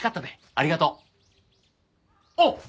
ありがとう。あっ！